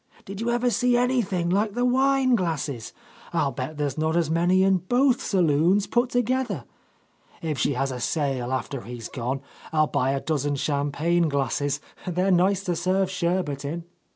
Did you ever see anything like the wine glasses 1 I'll bet there's not as many in both saloons put together. If she has a sale after he's gone, I'll buy a dozen champagne glasses; they're nice to serve sherbet In."